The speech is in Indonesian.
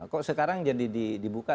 kok sekarang jadi dibuka